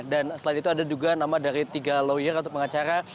dan selain itu ada juga nama dari tiga lawyer atau pengacara